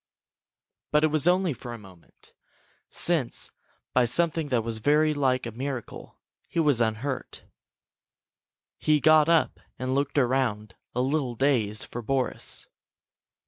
But it was only for a moment, since, by something that was very like a miracle, he was unhurt. He got up and looked around, a little dazed, for Boris.